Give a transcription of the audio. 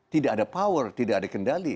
tidak ada power tidak ada kendali